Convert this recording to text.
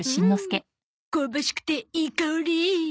うん香ばしくていい香り。